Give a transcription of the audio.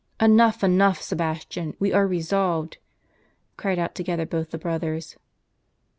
" Enough, enough, Sebastian, we are resolved," cried out together both the brothers.